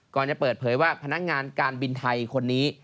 จะเปิดเผยว่าพนักงานการบินไทยคนนี้